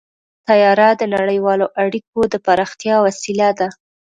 طیاره د نړیوالو اړیکو د پراختیا وسیله ده.